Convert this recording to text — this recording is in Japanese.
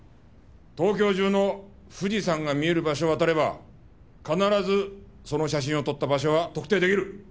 東京中の富士山が見える場所を当たれば必ずその写真を撮った場所が特定出来る。